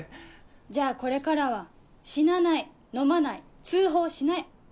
じゃあこれからは死なない飲まない通報しない。